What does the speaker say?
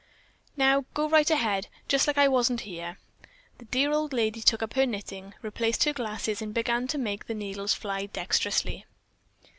Now go right ahead, just like I wasn't here." The dear old lady took up her knitting, replaced her glasses, and began to make the needles fly dexterously.